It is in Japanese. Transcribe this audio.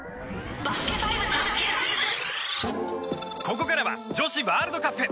ここからは女子ワールドカップ！